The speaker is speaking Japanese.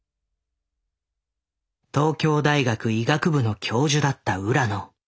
東京大学医学部の教授だった浦野。